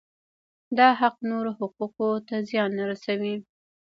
دا حق نورو حقوقو ته زیان نه رسوي.